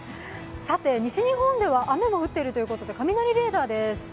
さて西日本では雨が降っているということで雷レーダーです。